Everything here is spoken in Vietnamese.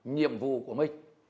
nhiệm vụ của mình